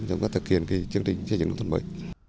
trong các thực hiện khi chương trình chơi chơi nông thôn mới